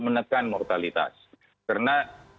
menekan mortalitas karena